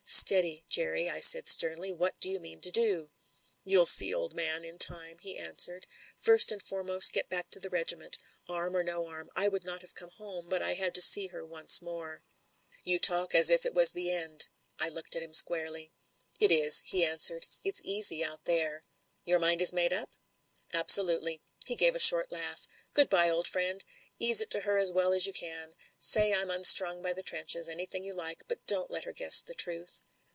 "Steady, Jerry," I said sternly. "What do you mean to do?" "You'll see, old man, in time," he answered. "First and foremost, get back to the regiment, arm or no arm. I would not have come home, but I had to see her once more." "you talk as if it was the end." I looked at him squarely. J THE FATAL SECOND 119 "It is," he answered. "It's easy out there." "Your mind is made up?" "Absolutely." He gave a short laugh. "Good bye, old friend. Ease it to her as well as you can. Say I'm unstrung by the trenches, anything you like ; but don't let her guess the truth."